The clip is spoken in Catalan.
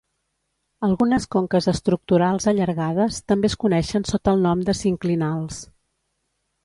Algunes conques estructurals allargades també es coneixen sota el nom de sinclinals.